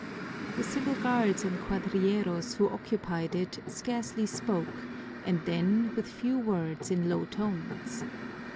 The civil guards and cuadrilleros who occupied it scarcely spoke and then with few words in low tones.